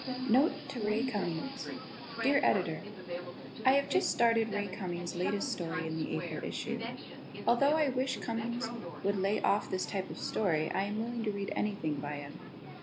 Note to Ray Cummings Dear Editor: I have just started Ray Cummings' latest story in the April issue. Although I wish Cummings would lay off this type of story, I am willing to read anything by him.